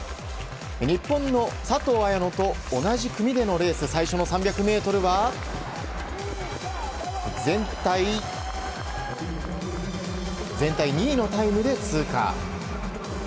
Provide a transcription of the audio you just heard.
日本の佐藤綾乃と同じ組でのレース最初の３００ｍは全体２位のタイムで通過。